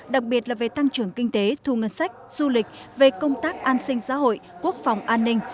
đặc biệt là về tăng trưởng kinh tế thu ngân sách du lịch về công tác an sinh xã hội quốc phòng an ninh